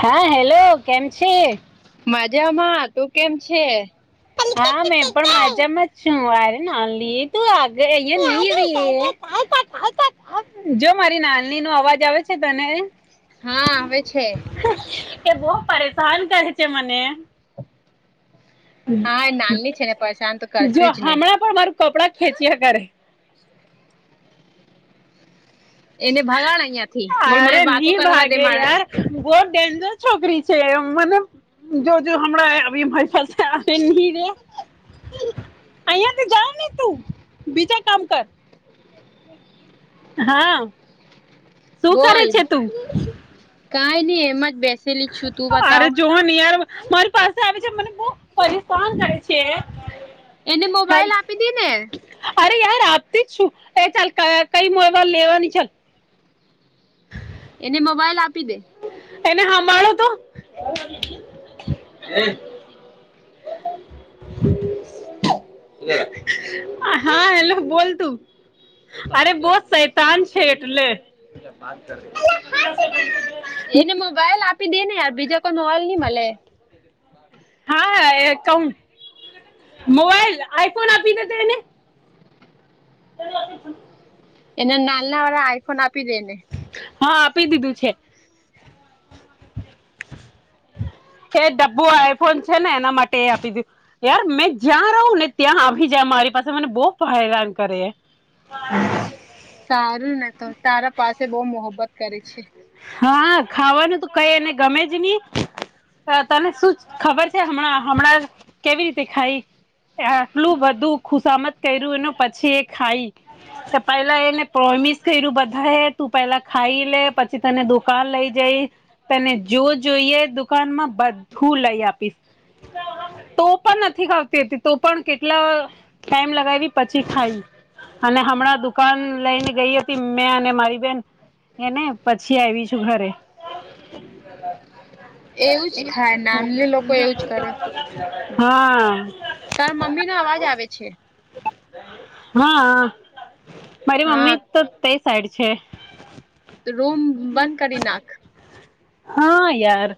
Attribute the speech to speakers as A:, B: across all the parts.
A: હા હેલો કેમ છે.
B: મજામાં તું કેમ છે.
A: હા મેં પણ માજામાં જ છું આરે ના લ તું આગળ અહં લઈ રહી જો મારી નાની નો અવાજ આવે છે તને.
B: હા આવે છે.
A: બહુ પરેશાન કર છે મને
B: હા એ નાની છે ને પરેશાન તો
A: જો
B: કરશે જ ને.
A: હમણાં પણ મારું કપડા ખેંચ્યા કરે
B: એને ભગાડ અહીયા થી બોલ મને
A: અરે
B: વાતો
A: ની
B: કરવા દે
A: ભાગે
B: મારા
A: યાર બહુ ડેન્જર છોકરી છે એ મને જોજ હમણાં ની અહીંયા થી જા ને તું બીજા કામ કર. [unintelligible] [inaudible] [inaudible] હા. શું કરે
B: બોલ
A: છે તું
B: કઈ નહી એમાં જ બેસ
A: અરે જોહનીયાર મારે પાસે આવે છે મને બઉ પરેશાન કરે છે.
B: એને
A: હેલ
B: મોબાઈલ આપી દી ને
A: અરે યાર આપતી જ શું એ ચાલ કઈ મોવા લેવાની છે.
B: એને મોબાઈલ આપી દે
A: એને સાંભળો તો હા હેલો બોલ તું અરે બો શૈતાન છે એટલે
B: એને મોબાઈલ આપી દે ને યાર બીજા કોઈ મોબાઈલ નઈ મળે.
A: હા હા ક મોબાઈલ આઈફોન આપી દે તો એને [inaudible]
B: એને નાલના વાળા આઈફોન આપી દે ને
A: હા આપી દીધું છે. એ ડબ્બો આઈફોન છે ને એના માટે એ આપી દી યાર મેં જ્યાં રહું ને ત્યાં આવી જાય મારી પાસે મને બહુ હેરાન કરે. [inaudible]
B: સારું ને તો તારા પાસે બહ મોહબ્બત કરે છે
A: હા ખાવાનું ત કઈ એને ગમે જ નહી તને શું ખબર છે હમણાં હમણાં કેવી રીતે ખાઈ આટલું બધું ખુસામત કર્યું એ પછી એ ખાઈ પેલા એને પ્રોમિસ કર્યું બધા એ તું પેલા ખાઈ લે પછી તને દુકાન લઈ જઈ તને જો જોઈએ દુકાનમાં બધું લઈ આપીશ તો પણ નથી ખાવતી હતી તો પણ કેટલા ટાઈમ લગાવી પછી ખાઈ અને હમણાં દુકાન લઈને ગઈ હતી મેં અને મારી બેન એને પછી આવી છું ઘરે
B: એવું જ થાય નાન લોકો એવું જ કરે
A: હા
B: તાર મમ્મી નો અવાજ આવે છે
A: હા મારી
B: હા
A: મમ્મી તો તે સાઈડ છે
B: રૂમ બંધ કરી નાખ
A: હા યાર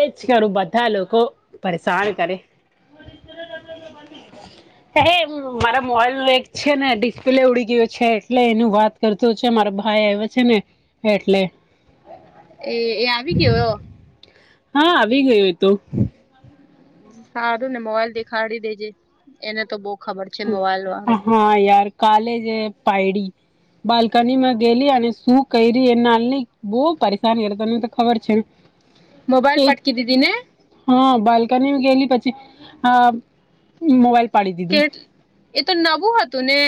A: એજ કરું બધા લોકો પરેશાન કરે હ બન હે મારા મોબાઈલ નું એક છે ને ડિસ્પ્લે ઉડી ગયયો છે એટલે એનું વાત કરતો છે મારા ભાઈ આવ છે ને એટલે
B: એ એ આવી ગયો
A: હા આવી ગયો એ તો
B: હધું ને મોબાઈલ દેખાડી દેજે એને તો બોક
A: હા યાર કાલેજ પાયડી બાલ્કની માં ગેલી અને શું કરી એ નાલની બહુ પરેશાન કર તને તો ખબર છે ને હ
B: મોબાઈલ પટકી દીને
A: હા બાલ્કની ગયલી પછી આ મોબાઈલ પાડી
B: કે
A: દીધું
B: એ તો નવું હતું ને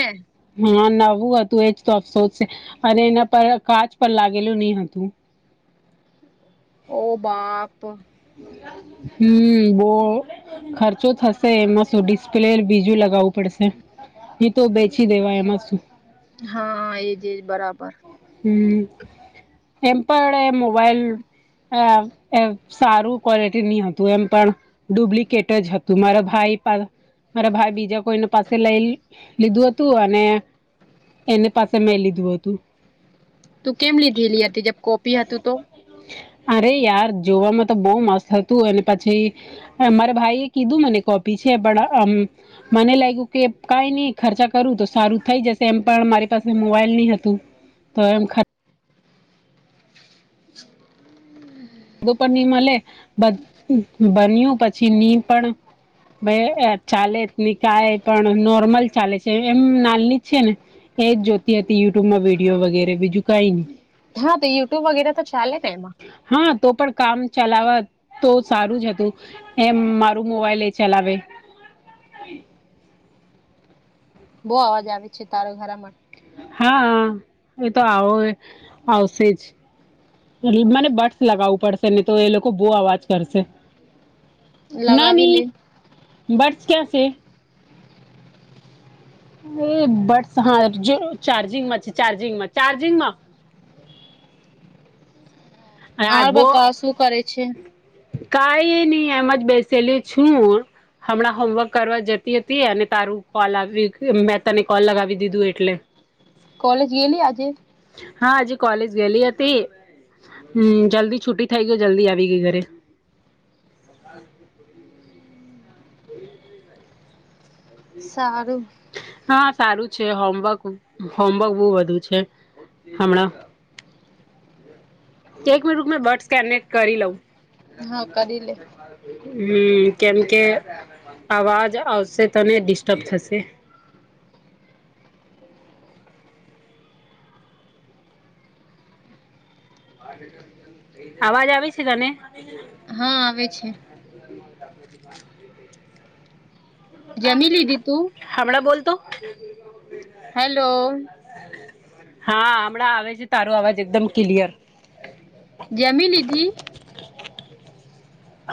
A: હા નવું હતું એજ તો અફસોસ છે અને એના પર કાચ પર લાગેલું નહી હતું
B: ઓ બાપ
A: હમ બો ખર્ચો થશે એમાં શું ડિસ્પ્લે બીજું લગાવું પડશે એ તો બેચી દેવા એમાં શું
B: હા એજ એજ બરાબર
A: હમ એમ પણ મોબાઈલ આ એ સારું ક્વોલિટી નની હતું એમ પણ ડુપ્લિકેટ જ હતું મારા ભાઈ મારા ભાઈ બીજા કોઈને પાસે લઈ લીધું હતું અને એની પાસે મેં લીધું હતું
B: તું કેમ લીધેલી હતી જ કોપી હતીું તો
A: અરે યાર જોવામાં તો બહુ મસ્ત હતું અને પછી મારા ભાઈ એ કીધું મને કોપી છે પણ મને લાગ્યું કે કાઈ નઈ ખર્ચા કરું તો સારું થઈ જશે એમ પણ મારી પાસે મોબાઈલ નહી હતું તો એમ ખા ધું પણ નીમે બન્યું પછી નીમ પણ ભાઈ ચાલે નની કાય પણ નોર્મલ ચાલે છે એમ નાલની જ છે ને એજ જોતી હતી યુટ્યુબમાં વિડીિયો વગેરે બીજું કઈ ન
B: હા તોયુટ્યુબ વગેરે તો ચાલેત માં
A: હા તો પણ કામ ચલાવા તો સારું જ હતું એમ મારું મોબાઈલ એ ચલાવે
B: બહુ અવાજ આવે છે તારો ઘરા માટે
A: હા એ તો આવો આવશે જ મને બટસ લગાવવું પડશે ને તો એ લોકો બહુ અવાજ કરશે ના ન
B: લગાવી લે
A: બર્ડસ ક્યા છે એ બટસ હા જો ચાર્જિંગ માં છે ચાર્જિંગ માં ચાર્જિંગ માં આ
B: હાર
A: બો
B: બતા શું કરે છે
A: કઈ નહી એમાં જ બેસેલી છું હમણાં હોમવર્ક કરવા જતી હતી અને તારું કોલ આવ મેં તને કોલ લગાવી દીધું એટલે હ
B: કોલેજ ગેલી આજે
A: હા આજે કોલેજ ગયેલી હતી હ જલ્દી છુટી થઇ ગઈ જલ્દી ડી ક કરે હ
B: સારું
A: હા સારું છે હોમવર્ક હોમવર્ક બહુ બુ છે હમણાં એક મિનટં બર્ડસ કેનેક્ટ કરી લઉં
B: હા કરી લે
A: હમ કેમ કે અવાજ આવશે તોને ડિસ્ટર્બ થશે અવાજ આવી છે તને [inaudible]
B: હા આવે છે જમી લીધી તું
A: હમણા બોતો
B: હેલો
A: હા હમણાં આવે છે તારો અવાજ એકદમ ક્લિયર
B: જમી લીધી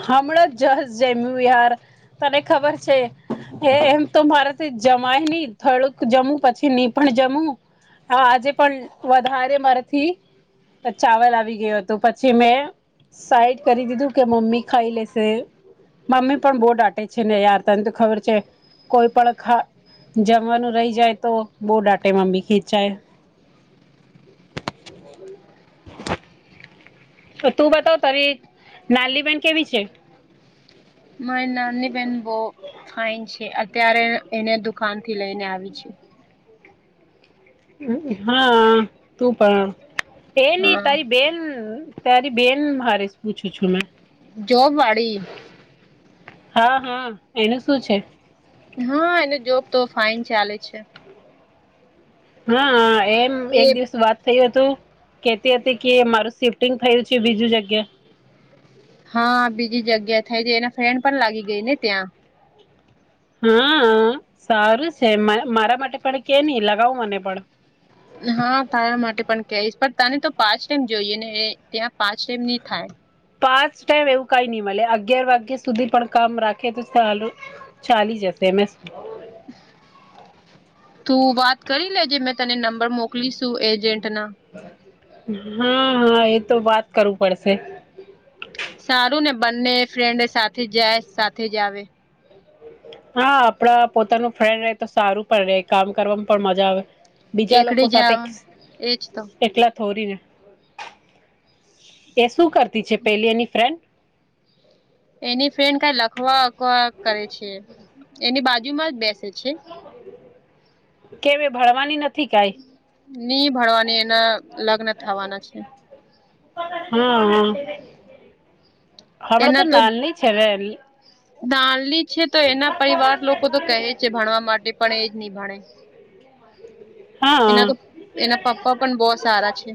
A: હમણાં જ જશ જેમ્યું વિહાર તને ખબર છે એ એમ તો મારેથી જમાય નહ થોડુંક જમું પછી ની પણ જમું હા આજે પણ વધારે મારાથી ચાવલ આવી ગયો હતું પછી મેં સાઈડ કરી દીધું કે મમ્મી ખાઈ લે સે. મમ્મી પણ બહુ ડ આાટે છે ને યાર તને તો ખબર છે કોઈ પણ ખા જમવાનું રહી જાય તો બહુ ડાટે મમ્મી ખીચાય તું બતાવ તારી નાલીબેન કેવી છે
B: મારી નાની બેન બો ફઇન છે અત્યારે એને દુકાન થી લઈને આવી છે
A: હા તું પણ એની
B: હા
A: તારી બેન તારી બેન હા રે પૂછું છું મેં.
B: જોબ વાડી
A: હા હા એનું શું છે.
B: હા એનો જોબ તો ફાઈન ચાલે છે.
A: હા એમ એક
B: એ
A: દિવસ વાત થયું હતું કેતી હતી કે મારું શિફ્ટિંગ થયું છે બીજું જગ્યા
B: હા બીજી જગ્યા થાય છે એના ફ્રેન્ડ પણ લાગી ગઈ ને ત્યાં
A: હા સારું છે મારા માટે પણ કે નહી લગાવું મને પણ
B: હા તારા માટે પણ કહીશ પણ તને તો પાંચ ટાઈમ જોઈએ ને ત્યાં પાંચ ટાઈમ નહી થાય
A: પાંચ ટાઈમ એવું કઈ નહી મળ અગિયાર વાગ્યા સુધી પણ કામ રાખે તો ચાલું ચાલી જશે એમે શ
B: તું વાત કરી લેજે મેં તને નંબર મોકલીશું એજન્ટના
A: હમ્મ એ તો વાત કરવું પડશે
B: સારું ને બંને ફ્રેન્ડ સાથે જાય સાથે જ આવે
A: હા આપડા પોતાનું ફ્રેન્ડ રહે તો સારું પણ ર કામ કરવાવામાં પણ મજા આવે બીજા
B: એકડે
A: લોકો
B: જ
A: સાથે
B: આવે, એજ તો
A: કેટલા થોરીને એ શું કરતી છે પેલી એની ફ્રેન્ડ.
B: એની ફ્રેન્ડ કઈ લખવાખવા કરે છે એની બાજુમાં જ બેસે છે
A: કે ભણવાની નથી કાઈ
B: ની ભરવાની એના લગ્ન થવાના છે.
A: હ હ હમણાં તો નાલી છે ને
B: દળની છે તો એના પરિવાર લોકો તો કહે છે ભણવા માટે પણ એજ નહી ભણે એના
A: હા
B: તો એના પપ્પા પણ બહ સારા છે.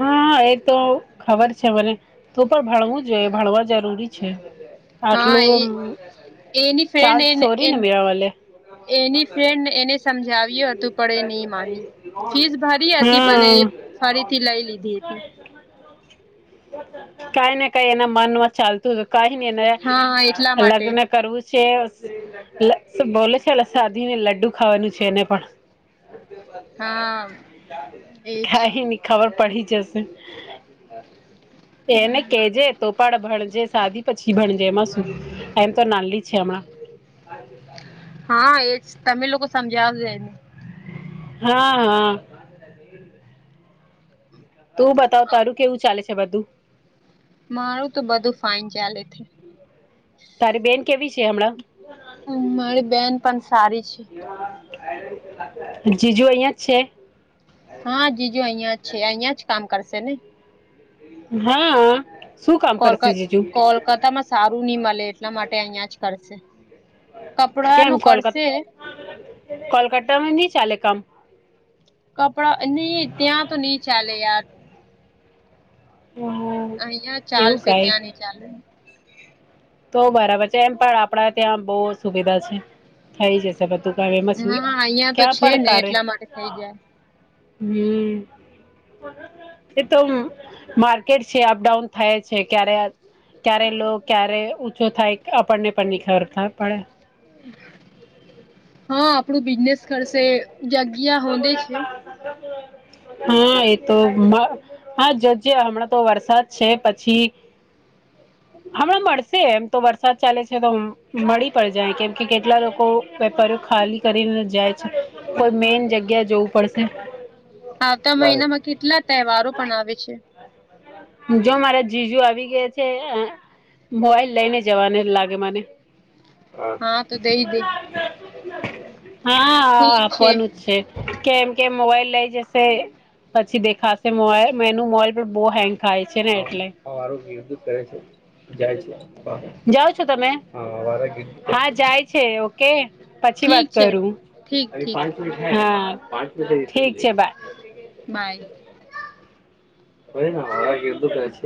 A: હા એતો ખબર છે મને તો પણ ભણવું જોઈએ ભણવા જરૂરી છે.
B: હા એ
A: આટલું
B: એની ફ્રેન્ડ
A: ચાસ સોરી
B: એ
A: ને બેવલે
B: એની ફ્રેન્ડ એને સમજાવ્યુ હતું પડે નહી માની ફીસ ભરી હતી પણ
A: હા
B: ફરીથી લઈ લીધી હતી
A: કઈ નાને કઈ એના મનમાં ચાલતું હત કઈ ને એના
B: હા એટલા માટે
A: લગ્ન કરવું છે બોલે છે સાધીને લડ્ડુ ખાવાનું છે એને પણ
B: હા એજ
A: ખાઈની ખબર પડી જશે એને કેજે તોપાડ ભણજે સાદી પછી ભણજે એમાં સુ એમ તો નાનલી જ છે હમણાં [unintelligible]
B: હા એજ તમે લોકો સમજાવ જાવ જે એને
A: હા હા તું બતાવ તારું કેવું ચાલે છે બધું.
B: મારું તો બધું ફાઇન ચાલે છે.
A: તારી બેન કેવી છે હમણાં
B: હ મારી બેન પણ સારી છે.
A: જીજુ અહિયાં જ છે.
B: હા જીજુ અહિયાં જ છે અહિયાં જ કામ કરશે ને
A: હા શું કામ
B: કોલ
A: કરશે જીજુ
B: કોલકાતામાં સારું નહી મળે એટલા માટે અહિયાં જ કરશે કપડા
A: કેમ
B: નું
A: કોલકા
B: કરશે
A: કોલકાતામાં નઈ ચાલે કામ
B: કપડા નહી ત્યાં તો નહી ચાલે યાર
A: હમ હમ
B: અહિયાં
A: એવું
B: ચાલશે
A: કઈ
B: ત્યાં નઈ ચાલે
A: તો બરાબર છે એમ પણ આપડા ત્યાં બહુ સુવિધા છે. થઈ જશે બધું કેવે એમાં સુ
B: હા અહિયાં તો
A: ક્યાં
B: છે ને
A: પડકારે
B: એટલા માટે થઇ જાય
A: હમ્મ એ તો માર્કેટ છે અપડાઉન થાય છે ક્યારે ક્યારે લો ક્યારે ઊંચો થાય આપણને પણ ની ખબર પડે.
B: હા આપણું બિઝનેસ કરશે જગ્યા હોંદે છે.
A: [inaudible] હા એ તો હા [unintelligible] હમણાં તો વરસાદ છે પછી હમણાં મળશે એમ તો વરસાદ ચાલે છે તો મળી પન જાય કેમ કે કેટલા લોકો વેપારીઓ ખાલી કરીને જાય છે કોઈ મેન જગ્યા જવું પડશે
B: આવતા મહિનામાં કેટલા તહેવારો પણ આવે છે.
A: જો મારા જીજુ આવી ગયા છે મોવાાઈલ લઈને જવાને લાગે મને
B: હા તો દઈ દે
A: હા આપવાનું જ છે. કે એમ કેમ મોબાઈલ લઇ જશે પછી દેખાશે મોબાઈલ મેનુ મોબાઈલ પણ બહુ હેંગ થાય છે ને એટલે જાઓ છો તમે હા જાય છે ઓકે પછી
B: ઠીક
A: વાત
B: છે
A: કરું
B: ઠીક ઠીક
A: હા ઠીક છે બાય
B: બાય
A: [inaudible]